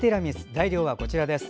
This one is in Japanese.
材料はこちらです。